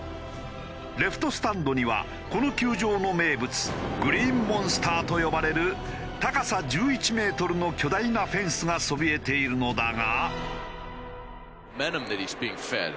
レフトスタンドにはこの球場の名物グリーンモンスターと呼ばれる高さ１１メートルの巨大なフェンスがそびえているのだが。